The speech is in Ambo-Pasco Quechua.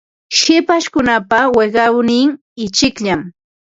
Hipashkunapa wiqawnin ichikllam.